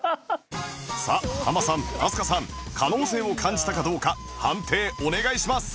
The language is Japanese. さあハマさん飛鳥さん可能性を感じたかどうか判定お願いします